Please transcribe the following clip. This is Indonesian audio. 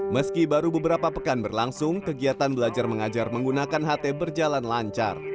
meski baru beberapa pekan berlangsung kegiatan belajar mengajar menggunakan ht berjalan lancar